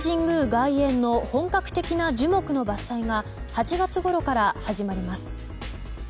外苑の本格的な樹木の伐採は８月ごろから始まります。